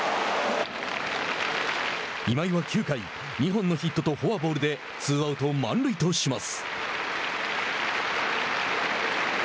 今井は９回２本のヒットとフォアボールでツーアウト、満塁とします。